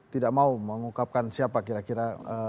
tidak mau mengungkapkan siapa kira kira